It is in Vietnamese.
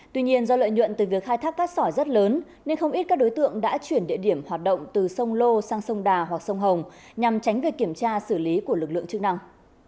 tuy nhiên do lợi nhuận từ việc khai thác cát sỏi rất lớn nên không ít các đối tượng đã chuyển địa điểm hoạt động từ sông lô sang sông đà hoặc sông hồng nhằm tránh việc kiểm tra xử lý của lực lượng chức năng